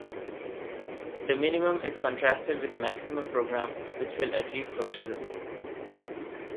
The minimum is contrasted with a maximum programme, which will achieve socialism.